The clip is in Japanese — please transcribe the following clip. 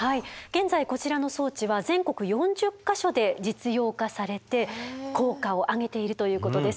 現在こちらの装置は全国４０か所で実用化されて効果を上げているということです。